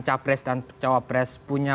capres dan cawapres punya